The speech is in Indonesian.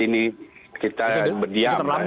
ini kita berdiam